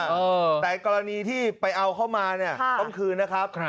เออแต่กรณีที่ไปเอาเข้ามาเนี่ยต้องคืนนะครับ